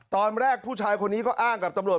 ตอนแรกผู้ชายคนนี้ก็อ้างกับตำรวจ